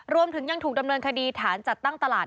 รวมถึงยังถูกดำเนินคดีฐานจัดตั้งตลาด